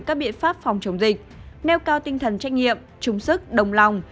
các biện pháp phòng chống dịch nêu cao tinh thần trách nhiệm chung sức đồng lòng